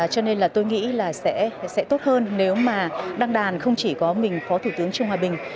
cho nên là tôi nghĩ là sẽ tốt hơn nếu mà đăng đàn không chỉ có mình phó thủ tướng trung hòa bình